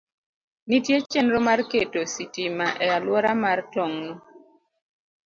Nitie chenro mar keto sitima e alwora mar tong'no.